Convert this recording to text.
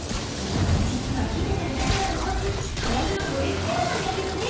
実は秘めたる力を持つ腹黒ドＳキャラなんだけどね。